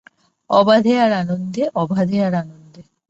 অবাধে আর আনন্দে, অবাধে আর আনন্দে।